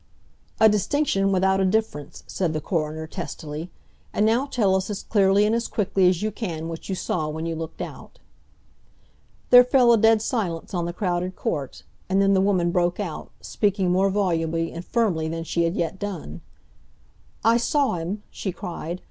"A distinction without a difference," said the coroner testily. "And now tell us as clearly and quickly as you can what you saw when you looked out." There fell a dead silence on the crowded court. And then the woman broke out, speaking more volubly and firmly than she had yet done. "I saw 'im!" she cried.